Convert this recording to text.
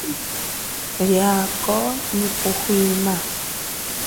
Liako nyi kuhwima.